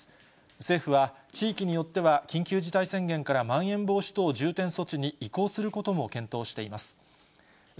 政府は、地域によっては緊急事態宣言からまん延防止等重点措置に移行することも検討しています。